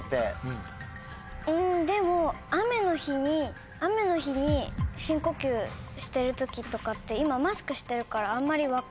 でも雨の日に深呼吸してる時とかって今マスクしてるからあんまり分かんないし。